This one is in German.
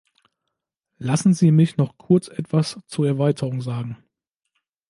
Lassen Sie mich noch kurz etwas zur Erweiterung sagen.